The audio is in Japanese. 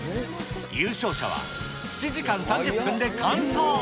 優勝者は７時間３０分で完走。